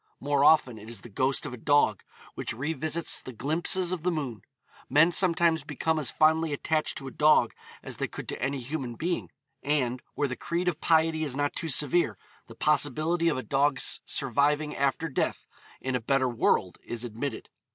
More often it is the ghost of a dog which revisits the glimpses of the moon. Men sometimes become as fondly attached to a dog as they could to any human being, and, where the creed of piety is not too severe, the possibility of a dog's surviving after death in a better world is admitted.